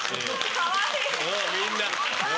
かわいい！